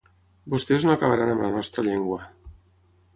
Vostès no acabaran amb la nostra llengua.